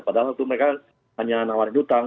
padahal itu mereka hanya nawarin hutang